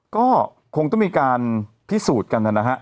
ก็คงต้องมีการพิสูจน์กันนะฮะ